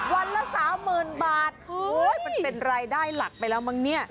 วันละ๓๐๐๐๐บาทเป็นรายได้หลักไปแล้วมั้งเนี่ย